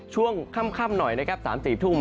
ช่วงค่ำหน่อยนะครับ๓๔ทุ่ม